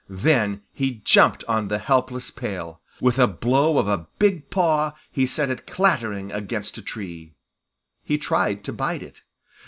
Then he jumped on the helpless pail. With a blow of a big paw he sent it clattering against a tree. He tried to bite it.